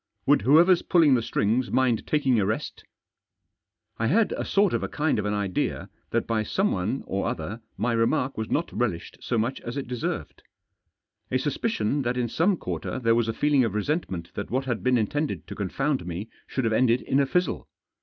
Would whoever's pulling the strings mind taking a rest ?" I had a sort of a kind of an idea that by someone or other my remark was not relished so much as it deserved. A suspicion that in some quarter there was a feeling of resentment that what had been intended to confound me should have ended in a fizzle.